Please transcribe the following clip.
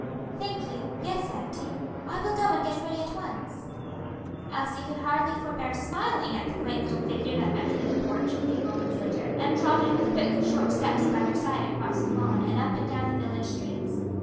"Thank you, yes, auntie. I will go and get ready at once." Elsie could hardly forbear smiling at the quaint little figure that met her in the porch a few moments later, and trotted with quick, short steps by her side across the lawn and up and down the village streets.